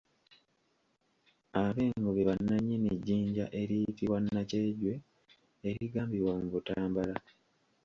Abengo be bannannyini jjinja eriyitibwa nakyejwe erigambibwa mu Butambula.